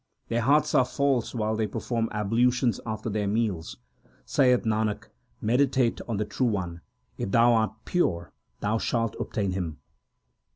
ASA KI WAR 241 Their hearts are false while they perform ablutions after their meals. Saith Nanak, meditate on the True One ; If thou art pure, thou shalt obtain Him.